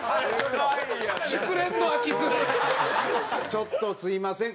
ちょっとすいません